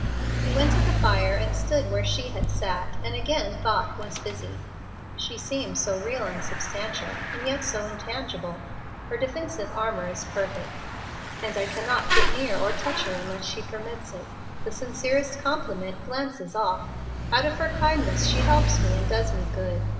He went to the fire and stood where she had sat, and again thought was busy. "She seems so real and substantial, and yet so intangible! Her defensive armor is perfect, and I cannot get near or touch her unless she permits it. The sincerest compliment glances off. Out of her kindness she helps me and does me good.